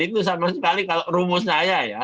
itu sama sekali kalau rumus saya ya